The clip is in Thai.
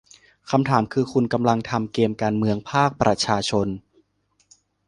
คำถามคือคุณกำลังทำเกมการเมืองภาคประชาชน